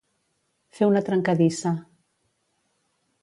Fer una trencadissa.